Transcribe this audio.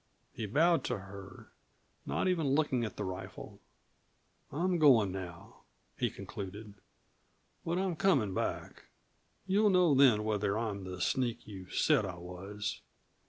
He bowed to her, not even looking at the rifle. "I'm goin' now," he concluded. "But I'm comin' back. You'll know then whether I'm the sneak you've said I was."